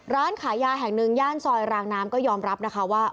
ร้านขายยาแห่งหนึ่งย่านซอยรางน้ำก็ยอมรับนะคะว่า